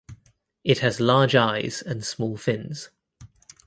It has large eyes and small fins.